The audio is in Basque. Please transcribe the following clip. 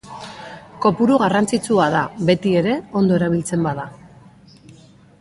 Kopuru garrantzitsua da, betiere, ondo erabiltzen bada.